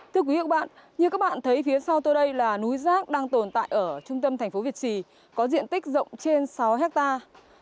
thưa quý vị và các bạn như các bạn thấy phía sau tôi đây là núi rác đang tồn tại ở trung tâm thành phố việt trì có diện tích rộng trên sáu hectare